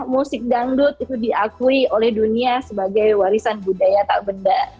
musik dangdut itu diakui oleh dunia sebagai warisan budaya tak benda